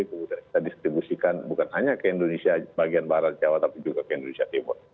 kemudian kita distribusikan bukan hanya ke indonesia bagian barat jawa tapi juga ke indonesia timur